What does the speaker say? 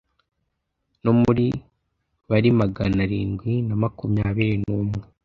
no muri bari magana arindwi na makumyabiri n umwe